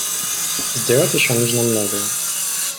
Сделать еще нужно многое.